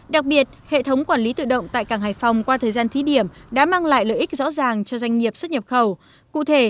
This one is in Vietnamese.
đặc biệt hệ thống quản lý tự động tại cảng hải phòng qua thời gian thí điểm đã mang lại lợi ích